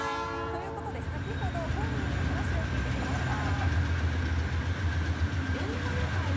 ということで、先ほど本人に話を聞いてきました。